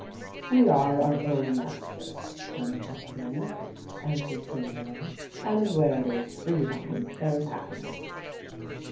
"We are our own masters, young gentleman," answered Zingary; "and where there is freedom, there is happiness."